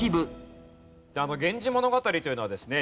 『源氏物語』というのはですね